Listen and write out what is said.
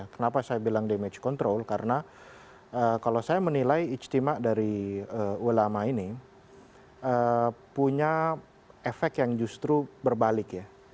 kenapa saya bilang damage control karena kalau saya menilai ijtima dari ulama ini punya efek yang justru berbalik ya